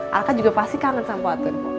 rangga juga pasti kangen sama poatun